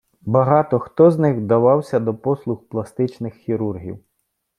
Багато хто з них вдавався до послуг пластичних хірургів.